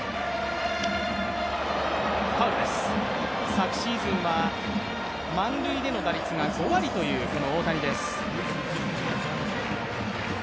昨シーズンは満塁での打率が５割という大谷です。